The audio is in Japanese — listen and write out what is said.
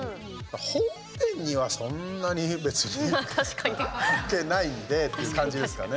本編にはそんなに別に関係ないのでという感じですかね。